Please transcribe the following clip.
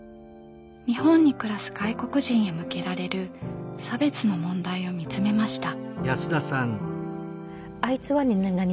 日本に暮らす外国人へ向けられる差別の問題を見つめました。